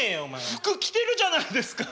服着てるじゃないですか。